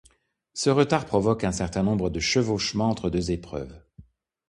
Ce retard provoque un certain nombre de chevauchements entre deux épreuves.